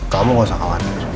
kamu gak usah khawatir